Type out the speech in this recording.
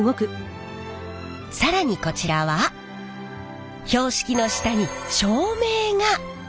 更にこちらは標識の下に照明が！